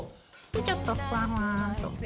ちょっとふわふわっと。